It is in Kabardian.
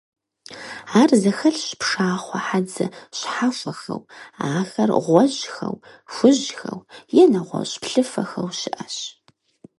Ар зэхэлъщ пшахъуэ хьэдзэ щхьэхуэхэу, ахэр гъуэжьхэу, хужьхэу е нэгъуэщӀ плъыфэхэу щыӀэщ.